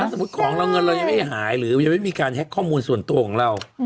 สมมุติของเราเงินเรายังไม่หายหรือยังไม่มีการแฮ็กข้อมูลส่วนตัวของเรา